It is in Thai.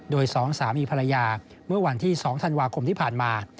โดย๒สามีภรรยาเมื่อวันที่๒ธันวาคมที่ผ่านมา